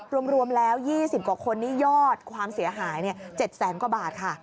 รวมรวมแล้วยี่สิบกว่าคนที่ยอดความเสียหายเนี่ยเจ็ดแสนกว่าบาทค่ะ